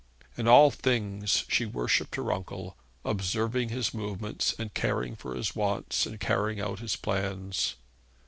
In all things she worshipped her uncle, observing his movements, caring for his wants, and carrying out his plans.